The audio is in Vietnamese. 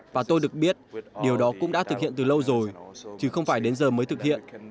và tôi được biết điều đó cũng đã thực hiện từ lâu rồi chứ không phải đến giờ mới thực hiện